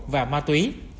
và ma túy